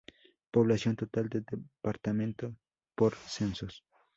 Población total del departamento por censos